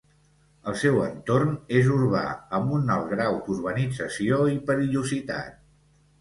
El seu entorn és urbà, amb un alt grau d'urbanització i perillositat.